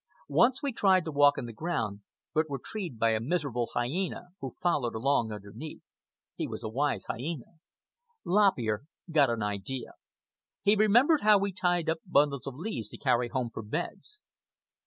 Once we tried to walk on the ground, but were treed by a miserable hyena, who followed along underneath. He was a wise hyena. Lop Ear got an idea. He remembered how we tied up bundles of leaves to carry home for beds.